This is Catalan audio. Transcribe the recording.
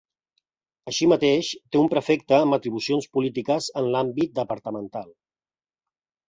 Així mateix, té un prefecte amb atribucions polítiques en l'àmbit departamental.